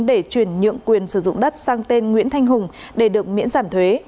để chuyển nhượng quyền sử dụng đất sang tên nguyễn thanh hùng để được miễn giảm thuế